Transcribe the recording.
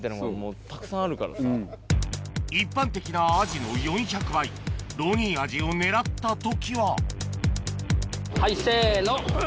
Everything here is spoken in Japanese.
一般的なアジの４００倍ロウニンアジを狙った時ははいせの！